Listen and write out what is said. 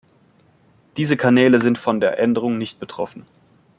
Diese Kanäle sind von der Änderung nicht betroffen.